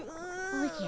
おじゃ。